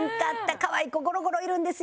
かわいい子ゴロゴロいるんですよ。